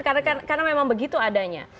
karena memang begitu adanya